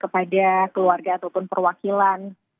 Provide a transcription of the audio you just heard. kepada keluarga ataupun perwakilan